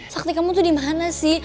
sakti kamu tuh dimana sih